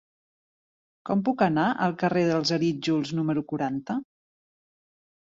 Com puc anar al carrer dels Arítjols número quaranta?